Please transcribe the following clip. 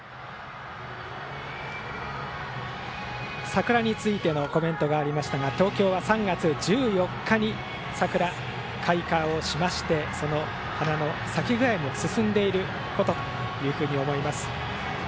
桜についてのコメントがありましたが東京は３月１４日に桜が開花をしましてその花の咲き具合も進んでいることと思います。